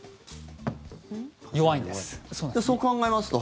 そう考えますと。